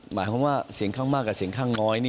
หมายความว่าเสียงข้างมากกับเสียงข้างน้อย